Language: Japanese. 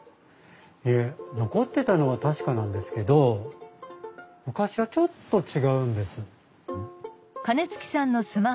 いえ残ってたのは確かなんですけど昔はちょっと違うんです。